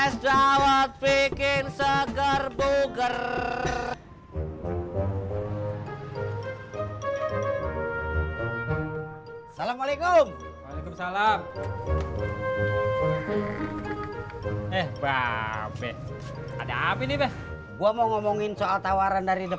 sampai jumpa di video selanjutnya